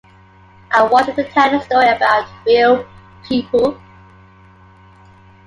I wanted to tell a story about real people.